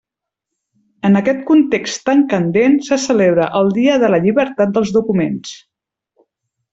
En aquest context tan candent, se celebra el Dia de la Llibertat dels Documents.